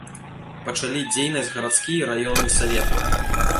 Пачалі дзейнасць гарадскі і раённы саветы.